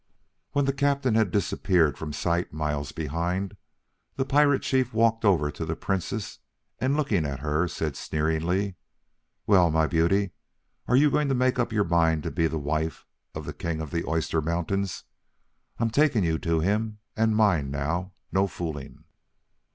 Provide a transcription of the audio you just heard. When the Captain had disappeared from sight miles behind, the pirate chief walked over to the Princess, and looking at her, said sneeringly, "Well, my beauty, are you going to make up your mind to be the wife of the King of the Oyster Mountains? I'm taking you to him, and mind now, no fooling!"